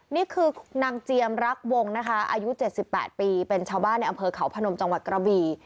นี่คือนางเจียมรักวงนะคะอายุ๗๘ปีเป็นชาวบ้านในอำเภอเขาพนมจังหวัดกระบี่